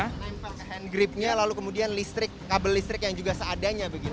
nempel ke handgripnya lalu kemudian listrik kabel listrik yang juga seadanya begitu